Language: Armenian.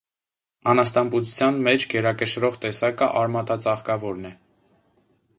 Անասնաբուծության մեջ գերակշռող տեսակը արմատածաղկավորն է։